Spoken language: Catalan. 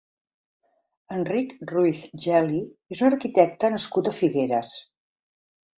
Enric Ruiz-Geli és un arquitecte nascut a Figueres.